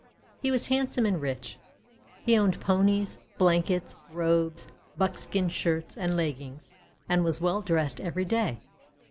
He was handsome and rich. He owned Ponies, blankets, robes, buckskin shirts, and leggings, and was well dressed every day.